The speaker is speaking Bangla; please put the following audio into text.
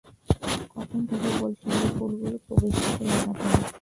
কখন থেকে বলছি, এই ফুলগুলো প্রবেশগেটে লাগাবেন।